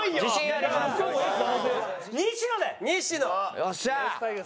よっしゃー！